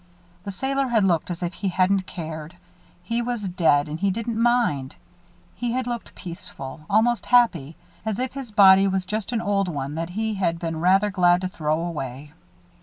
The sailor had looked as if he hadn't cared. He was dead and he didn't mind. He had looked peaceful almost happy; as if his body was just an old one that he had been rather glad to throw away.